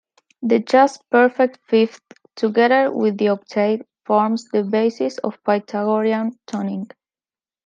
The just perfect fifth, together with the octave, forms the basis of Pythagorean tuning.